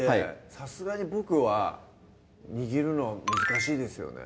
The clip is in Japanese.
さすがに僕は握るのは難しいですよね